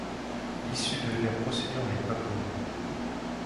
L'issue de la procédure n'est pas connue.